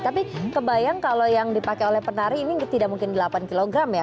tapi kebayang kalau yang dipakai oleh penari ini tidak mungkin delapan kg ya